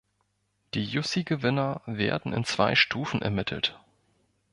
Die Jussi-Gewinner werden in zwei Stufen ermittelt.